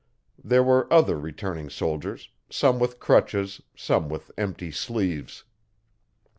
There were other returning soldiers some with crutches, some with empty sleeves.